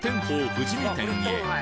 富士見店へ